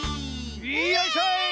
よいしょい！